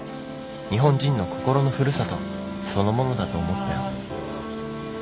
日本人の心の古里そのものだと思ったよ。